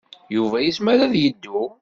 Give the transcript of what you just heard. Yuba yezmer ad yeddu.